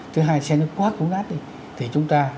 thứ hai xe nó quá cũ nát đi thì chúng ta